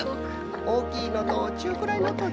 おおきいのとちゅうくらいのとちいさいの。